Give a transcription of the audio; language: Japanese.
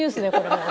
もう。